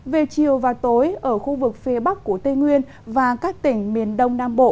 về chiều và tối ở khu vực phía bắc của tây nguyên và các tỉnh miền đông nam bộ